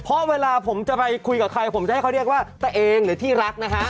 เพราะเวลาผมจะไปคุยกับใครผมจะให้เขาเรียกว่าตัวเองหรือที่รักนะฮะ